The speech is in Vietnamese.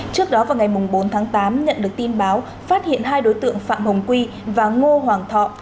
trước đó vào ngày bốn tháng tám nhận được tin báo phát hiện hai đối tượng phạm hồng quy và ngô hoàng thọ